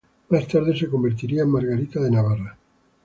Más tarde, se convertiría en Margarita de Navarra.